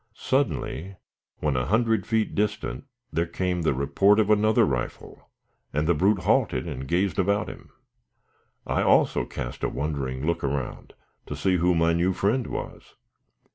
] Suddenly, when a hundred feet distant, there came the report of another rifle, and the brute halted, and gazed about him. I also cast a wondering look around to see who my new friend was.